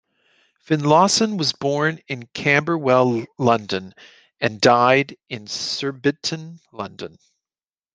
Finlason was born in Camberwell, London, and died in Surbiton, London.